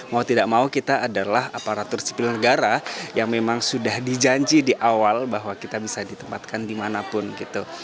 mau tidak mau kita adalah aparatur sipil negara yang memang sudah dijanji di awal bahwa kita bisa ditempatkan dimanapun gitu